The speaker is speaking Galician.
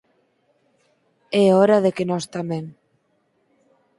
É hora de que nós tamén.